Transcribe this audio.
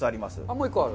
もう１個ある。